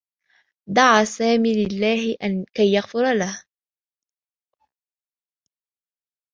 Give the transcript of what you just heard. دعى سامي لله كي يغفر له.